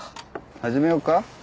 始めようか。